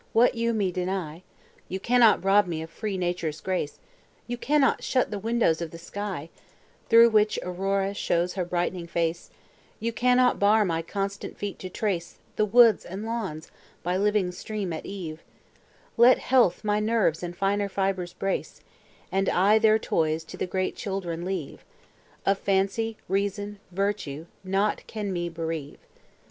what you me deny; You cannot rob me of free nature's grace; You cannot shut the windows of the sky, Through which Aurora shows her brightening face; You cannot bar my constant feet to trace The woods and lawns, by living stream, at eve: Let health my nerves and finer fibres brace, And I their toys to the great children leave: Of fancy, reason, virtue, nought can me bereave.